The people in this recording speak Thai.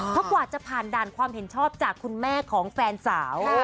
เพราะกว่าจะผ่านด่านความเห็นชอบจากคุณแม่ของแฟนสาว